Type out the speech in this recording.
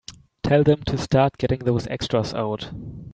Tell them to start getting those extras out.